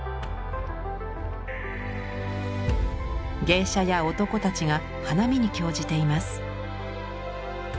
芸者や男たちが花見に興じています。